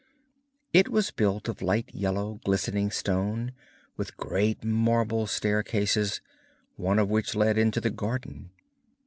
It was built of light yellow glistening stone, with great marble staircases, one of which led into the garden.